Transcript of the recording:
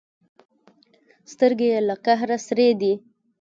سترګې یې له قهره سرې دي.